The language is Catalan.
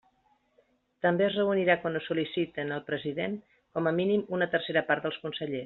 També es reunirà quan ho sol·liciten al president, com a mínim, una tercera part dels consellers.